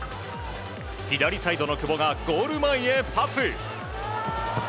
左サイドの久保がゴール前へパス。